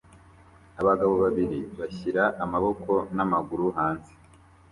Abagabo babiri bashyira amaboko n'amaguru hanze